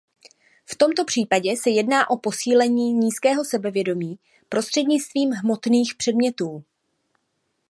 V tomto případě se jedná o posílení nízkého sebevědomí prostřednictvím hmotných předmětů.